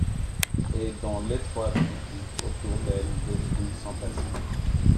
Et, dans l’étroite boutique, autour d’elle, les fruits s’entassaient.